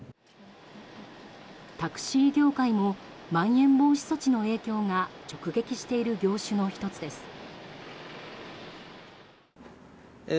タクシー業界もまん延防止措置の影響が直撃している業種の１つです。